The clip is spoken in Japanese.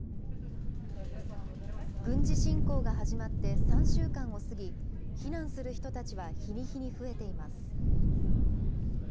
軍事侵攻が始まって３週間を過ぎ、避難する人たちは日に日に増えています。